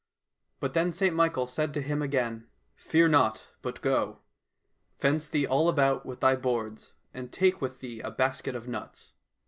— But then St Michael said to him again, " Fear not, but go ! Fence thee all about with thy boards, and take with thee a basket of nuts.